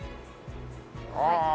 ああ。